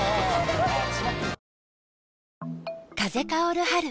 風薫る春。